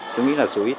tôi nghĩ là số ít